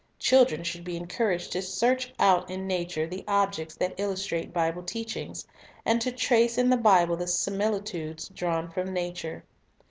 Children should be encouraged to search out in nature the objects that illustrate Bible teachings, and to trace in the Bible the similitudes drawn from nature.